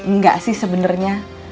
nggak sih sebenernya